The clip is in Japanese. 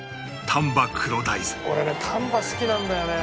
丹波好きなんだよね。